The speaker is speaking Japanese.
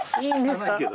いいんですか？